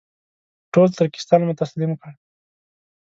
ټول ترکستان مو تسلیم کړ.